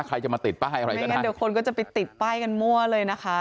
ใครจะมาติดป้ายอะไรไม่งั้นเดี๋ยวคนก็จะไปติดป้ายกันมั่วเลยนะคะ